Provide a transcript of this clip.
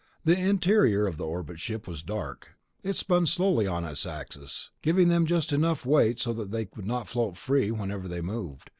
The interior of the orbit ship was dark. It spun slowly on its axis, giving them just enough weight so they would not float free whenever they moved.